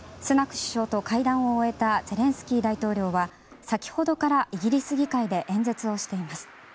首相と会談を終えたゼレンスキー大統領は先ほどからイギリス議会で演説をしています。